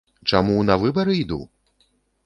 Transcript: Чаму на выбары іду?